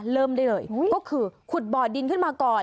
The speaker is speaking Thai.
เริ่มได้เลยก็คือขุดบ่อดินขึ้นมาก่อน